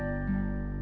ini buat ke mall